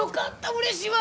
うれしいわ！